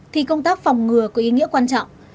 thì công tác phòng ngừa có ý nghĩa quan trọng